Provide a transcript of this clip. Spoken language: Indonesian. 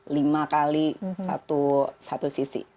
lima kali satu sisi